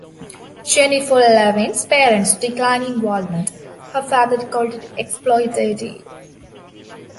Jennifer Levin's parents declined involvement; her father called it "exploitative".